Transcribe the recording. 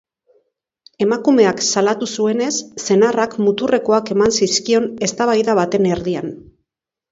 Emakumeak salatu zuenez, senarrak muturrekoak eman zizkion eztabaida baten erdian.